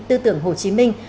tư tưởng hồ chí minh